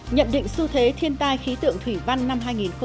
nhận định xu thế thiên tai khí tượng thủy văn năm hai nghìn một mươi tám